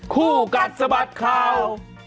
คู่กัดสะบัดข่าว